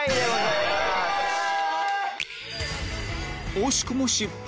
惜しくも失敗